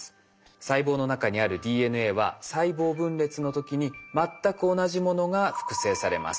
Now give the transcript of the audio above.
細胞の中にあるＤＮＡは細胞分裂の時に全く同じものが複製されます。